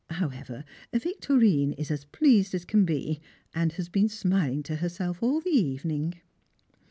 However, Victorine is as pleased as can be, and has been smiling to herself all the evening.